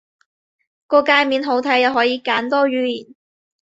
個介面好睇，又可以揀多語言